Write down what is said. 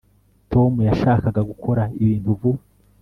tom yashakaga gukora ibintu vuba